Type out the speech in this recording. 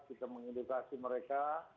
kita mengedukasi mereka